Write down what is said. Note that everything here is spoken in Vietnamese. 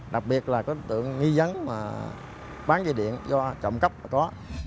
đặc biệt là có tượng nghi dấn mà bán dây điện do trộm cắp mà có